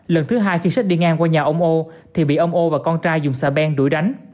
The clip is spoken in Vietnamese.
lần thứ hai khi xết đi ngang qua nhà ông âu thì bị ông âu và con trai dùng xà bèn đuổi đánh